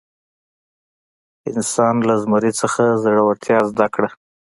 انسان له زمري څخه زړورتیا زده کړه.